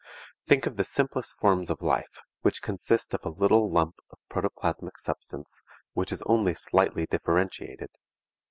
Think of the simplest forms of life, which consist of a little lump of protoplasmic substance which is only slightly differentiated.